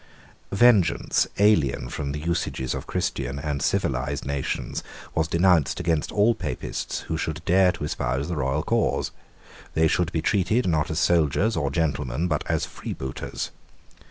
Vengeance alien from the usages of Christian and civilised nations was denounced against all Papists who should dare to espouse the royal cause. They should be treated, not as soldiers or gentlemen, but as freebooters.